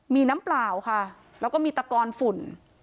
มีน้ำเปล่าค่ะแล้วก็มีตะกอนฝุ่น